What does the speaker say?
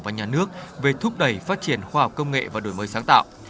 và nhà nước về thúc đẩy phát triển khoa học công nghệ và đổi mới sáng tạo